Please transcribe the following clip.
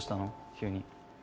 急に。